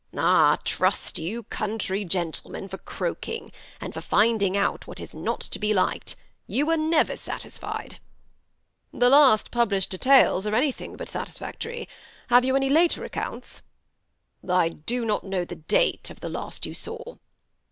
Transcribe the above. ^ Ah, trust you country gentlemen for ci?oaking, and for finding out what is not to be liked ; you are never satisfied." '' The last published details are anything but satisfae tory. Have you any later accounts ?"" I do not know the date of the last you saw."